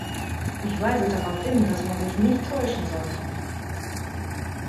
Ich weise darauf hin, dass man sich nicht täuschen sollte.